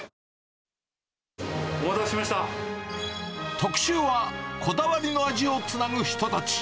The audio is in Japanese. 特集は、こだわりの味をつなぐ人たち。